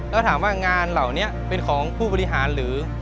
แล้วถามว่างานเหล่านี้เป็นของผู้บริหารหรือ